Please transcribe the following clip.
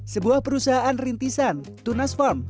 sebuah perusahaan rintisan tunas farm